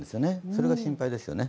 それが心配ですよね。